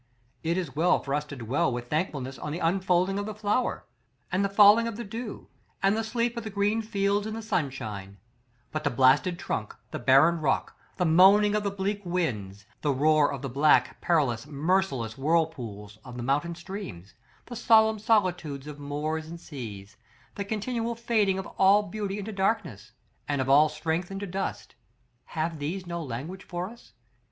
It is well for us to dwell with thankfulness on the unfolding of the flower, and the falling of the dew, and the sleep of the green fields in the sunshine; but the blasted trunk, the barren rock, the moaning of the bleak winds, the roar of the black, perilous, merciless whirlpools of the mountain streams, the solemn solitudes of moors and seas, the continual fading of all beauty into darkness, and of all strength into dust, have these no language for us?